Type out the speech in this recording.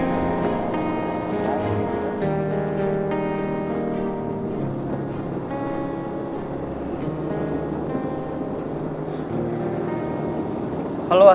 tanpa ni udah